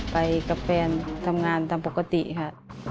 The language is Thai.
ไปกับแฟนทำงานตามปกติค่ะ